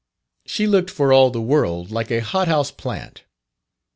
She looked for all the world like a hothouse plant.